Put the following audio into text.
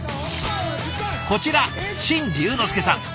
こちら眞龍之介さん。